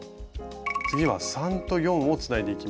次は３と４をつないでいきます。